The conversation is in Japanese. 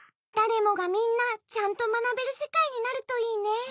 だれもがみんなちゃんとまなべるせかいになるといいね。